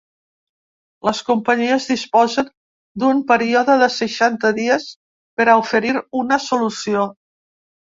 Les companyies disposen d’un període de seixanta dies per a oferir una solució.